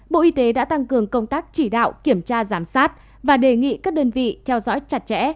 bộ y tế đã tăng cường công tác chỉ đạo kiểm tra giám sát và đề nghị các đơn vị theo dõi chặt chẽ